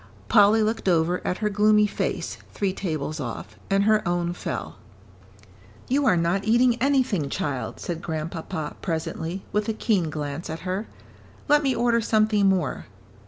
Polly looked over at her gloomy face, three tables off, and her own fell. "You are not eating anything, child," said Grandpapa, presently, with a keen glance at her. "Let me order something more."